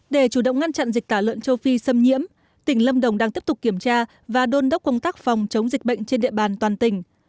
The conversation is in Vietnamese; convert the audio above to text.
để chủ động ngăn chặn dịch tả lợn châu phi xâm nhiễm tỉnh lâm đồng đang tiếp tục kiểm tra và đôn đốc công tác phòng chống dịch bệnh trên địa bàn toàn tỉnh